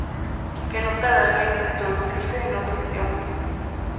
Y que no tardaría en introducirse en otros idiomas.